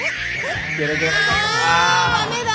あダメだ。